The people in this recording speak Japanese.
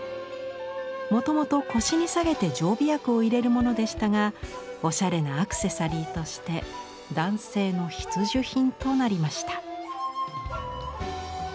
もともと腰に下げて常備薬を入れるものでしたがおしゃれなアクセサリーとして男性の必需品となりました。